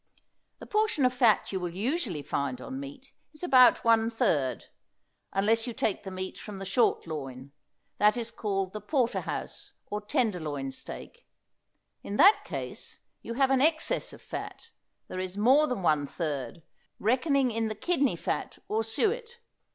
The portion of fat you will usually find on meat is about one third, unless you take the meat from the short loin; that is called the porterhouse, or tenderloin steak. In that case you have an excess of fat; there is more than one third, reckoning in the kidney fat, or suet.